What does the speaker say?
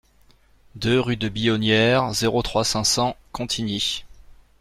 deux rue de Billonnière, zéro trois, cinq cents Contigny